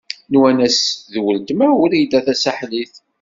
Nwan-as d uletma Wrida Tasaḥlit.